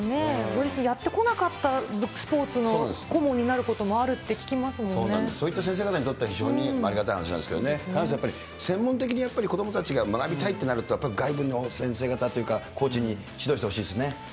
ご自身、やってこなかったスポーツの顧問になることもあるって聞きますもそうなんです、そういった先生方にとっては、非常にありがたい話なんですけどね、何せ、専門的にやっぱり子どもたちが学びたいってなると、外部の先生方とか、コーチに指導してほしいですね。